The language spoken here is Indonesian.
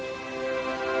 menjadi ratu norwa